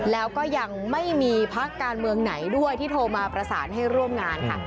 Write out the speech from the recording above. แล้วก็ยังไม่มีพักการเมืองไหนด้วยที่โทรมาประสานให้ร่วมงานค่ะ